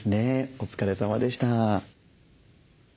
お疲れさまでした。